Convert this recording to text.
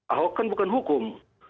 ahok kan bukan hukum